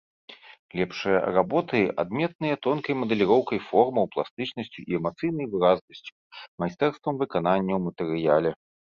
Лепшыя работы адметныя тонкай мадэліроўкай формаў, пластычнасцю і эмацыйнай выразнасцю, майстэрствам выканання ў матэрыяле.